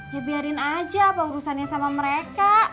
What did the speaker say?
ya biarin aja apa urusannya sama mereka